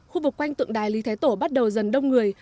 khu vực quanh tượng đài lý thái tổ bắt đầu dần đông người